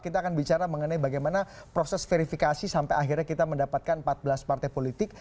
kita akan bicara mengenai bagaimana proses verifikasi sampai akhirnya kita mendapatkan empat belas partai politik